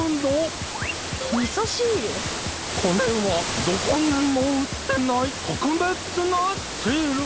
これはどこにもうってないとくべつなシール！